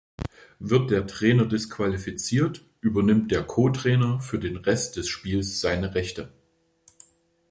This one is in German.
Wird der Trainer disqualifiziert, übernimmt der Co-Trainer für den Rest des Spiels seine Rechte.